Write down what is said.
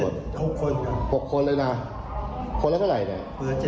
ด่วนจำ